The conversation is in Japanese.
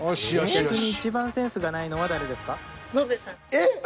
えっ！？